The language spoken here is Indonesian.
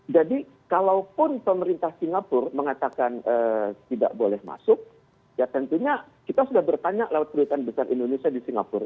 jadi kalaupun pemerintah singapura mengatakan tidak boleh masuk ya tentunya kita sudah bertanya lewat perintah besar indonesia di singapura